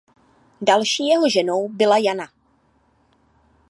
Další jeho ženou byla Jana.